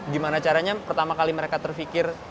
gimana caranya pertama kali mereka terfikir